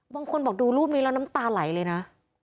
บางคนบอกดูรูปนี้แล้วน้ำตาไหลเลยนะ